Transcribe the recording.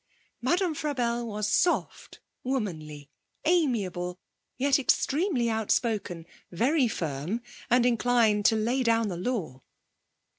Madame Frabelle was soft, womanly, amiable, yet extremely outspoken, very firm, and inclined to lay down the law.